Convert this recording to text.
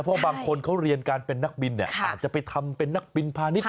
เพราะบางคนเขาเรียนการเป็นนักบินเนี่ยอาจจะไปทำเป็นนักบินพาณิชย